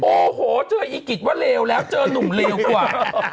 โอ้โหเจอกิริตว่าเผลอแล้วเจอนุ่มเผลอกว่า